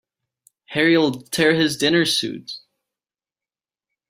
Harry'll tear his dinner suit.